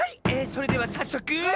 それではさっそく。